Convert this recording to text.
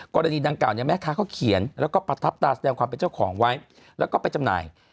กรณีดังกล่าเนี่ยแม่ค้าเขาเขียนแล้วก็ประทับตาแสดงความเป็นเจ้าของไว้แล้วก็ไปจำหน่าย